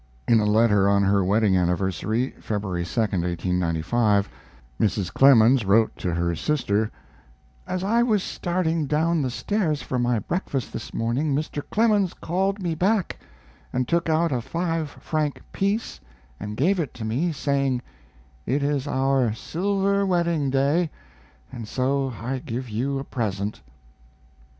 In a letter on her wedding anniversary, February a (1895), Mrs. Clemens wrote to her sister: As I was starting down the stairs for my breakfast this morning Mr. Clemens called me back and took out a five franc piece and gave it to me, saying: "It is our silver wedding day, and so I give you a present."